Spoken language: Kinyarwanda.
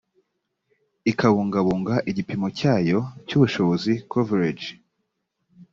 ikabungabunga igipimo cyayo cy ubushobozi coverage